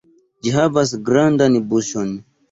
Ĝi havas grandan buŝon.